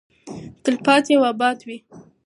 تلپاتې او اباده وي.